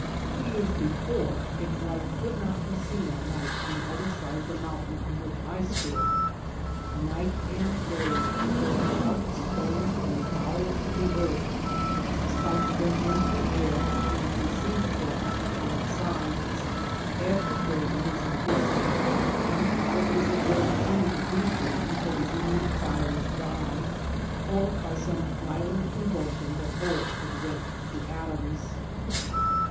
Two years before its light could not be seen at night on the other side of the mountain on which I stood. Night and day it (oroea up stones from the bowels of the earth, spouts them into the air, and receives them upon its sides. Every day it is increasing, and probably it will continue to do so until the inward fires die, or by some violent convul sion the whole is rent to atcmis.